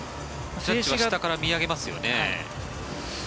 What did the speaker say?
下から見上げますよね？